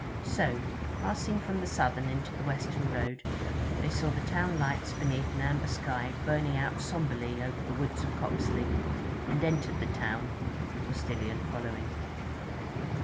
So passing from the southern into the western road, they saw the town lights beneath an amber sky burning out sombrely over the woods of Copsley, and entered the town, the postillion following.